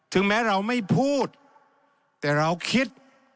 แม้เราไม่พูดแต่เราคิด